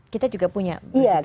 kita juga punya begitu ya